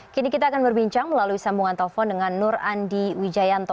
kini kita akan berbincang melalui sambungan telepon dengan nur andi wijayanto